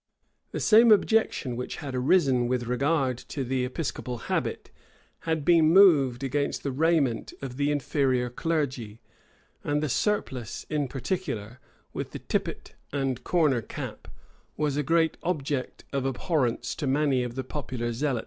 The same objection which had arisen with regard to the episcopal habit, had been moved against the raiment of the inferior clergy; and the surplice in particular, with the tippet and corner cap, was a great object of abhorrence to many of the popular zealots.